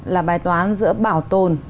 là bài toán giữa bảo tồn